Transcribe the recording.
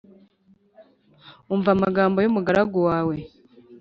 umva amagambo y’umugaragu wawe.